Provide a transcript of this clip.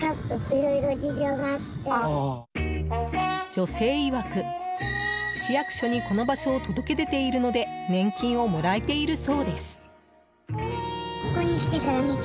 女性いわく、市役所にこの場所を届け出ているので年金をもらえているそうです。